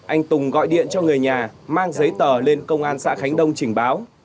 anh tùng gọi điện cho người nhà mang giấy tờ lên công an xã khánh đông trình báo